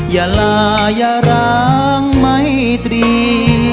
อย่าลาอย่าร้างไม่ตรี